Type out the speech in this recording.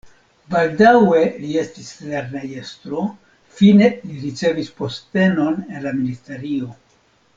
Baldaŭe li estis lernejestro, fine li ricevis postenon en la ministerio.